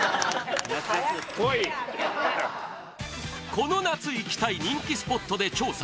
この夏行きたい人気スポットで調査！